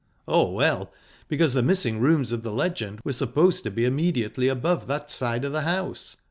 "Oh, well, because the missing rooms of the legend were supposed to be immediately above that side of the house.